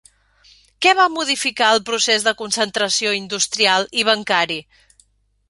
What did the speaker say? Què va modificar el procés de concentració industrial i bancari?